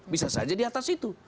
bisa saja di atas itu